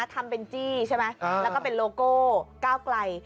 ทำเป็นจี้ใช่ไหมแล้วก็เป็นโลโก้ก้าวไกล